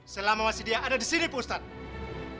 selama masidiyah ada di sini pak ustadz